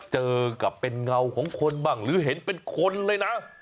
เจอกับเป็นเงาของคนบ้างหรือเห็นเป็นคนเลยนะ